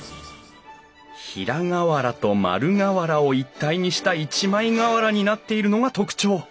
平瓦と丸瓦を一体にした一枚瓦になっているのが特徴。